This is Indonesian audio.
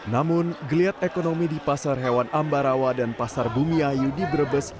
namun geliat ekonomi di pasar hewan ambarawa dan pasar bumi ayu di brebes